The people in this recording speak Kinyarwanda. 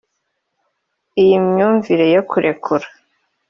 iyi myumvire yo kurekura.